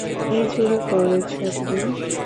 কী চুরি করেছো তুমি?